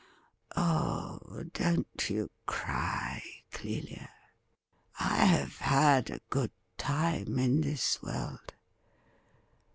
Oh, don't you cry, Clelia ! I haw had a good time in this world.